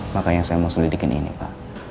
makanya saya mau selidik ini pak